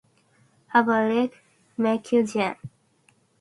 Have a lick make you jump.